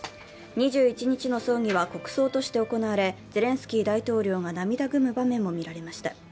２１日の葬儀は国葬として行われ、ゼレンスキー大統領が涙ぐむ場面も見られました。